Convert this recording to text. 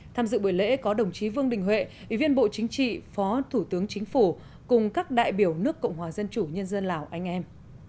tham dự buổi lễ có đồng chí vương đình huệ ủy viên bộ chính trị phó thủ tướng chính phủ cùng các đại biểu nước cộng hòa dân chủ nhân dân lào anh em